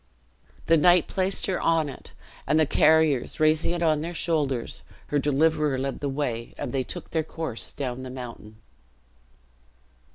The knight placed her on it; and the carriers raising it on their shoulders, her deliverer led the way, and they took their course down the mountain.